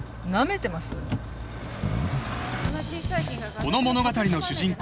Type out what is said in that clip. ［この物語の主人公